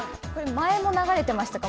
前も流れてましたか？